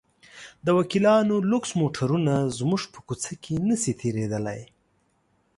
د وکیلانو لوکس موټرونه زموږ په کوڅه کې نه شي تېرېدلی.